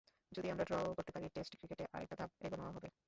যদি আমরা ড্র-ও করতে পারি, টেস্ট ক্রিকেটে আরেকটা ধাপ এগোনো হবে।